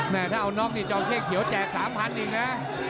แม่ถ้าเอาน็อคนี่จองเครียดเขียวแจก๓๐๐๐อีกนะ